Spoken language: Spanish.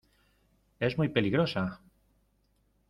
¡ es muy peligrosa!